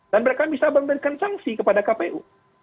mereka bisa memberikan sanksi kepada kpu